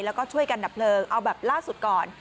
แล้วก็ช่วยกันดับเพลิงเอาแบบล่าสุดก่อน